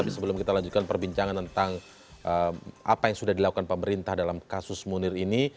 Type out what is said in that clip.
tapi sebelum kita lanjutkan perbincangan tentang apa yang sudah dilakukan pemerintah dalam kasus munir ini